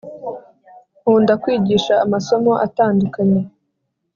Nkunda kwigisha amasomo atandukanye